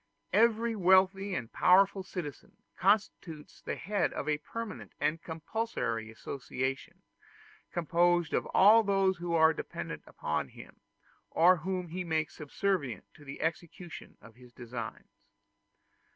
Every wealthy and powerful citizen constitutes the head of a permanent and compulsory association, composed of all those who are dependent upon him, or whom he makes subservient to the execution of his designs.